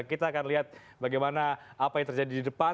kita akan lihat bagaimana apa yang terjadi di depan